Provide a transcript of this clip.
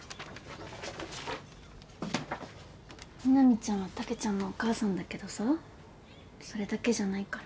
南ちゃんはたけちゃんのお母さんだけどさそれだけじゃないから。